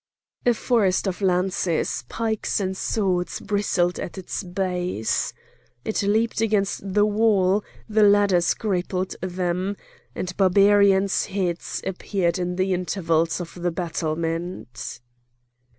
A forest of lances, pikes, and swords bristled at its base. It leaped against the wall, the ladders grappled them; and Barbarians' heads appeared in the intervals of the battlements.